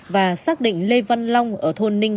và xác định lê văn long ở thôn ninh